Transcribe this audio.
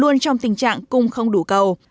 giá tăng trong tình trạng cung không đủ cầu